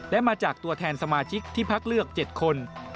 และมาจากตัวแทนสมาชิกที่พักเลือก๗คน